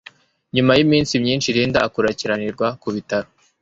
Nyuma yiminsi myinshi Linda akurikiranirwa ku bitaro